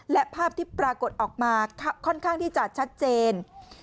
และภาพที่ปรากฏออกมาค่อนข้างที่จะชัดเจน